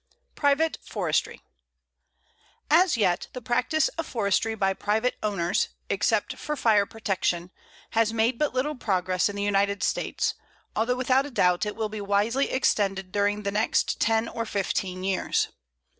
PRIVATE FORESTRY As yet, the practice of forestry by private owners, except for fire protection, has made but little progress in the United States, although without doubt it will be widely extended during the next ten or fifteen years.